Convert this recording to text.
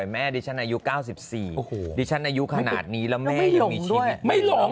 แม่ดิฉันอายุ๙๔ดิฉันอายุขนาดนี้แล้วแม่ยังมีชีวิต